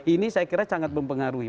ini saya kira sangat mempengaruhi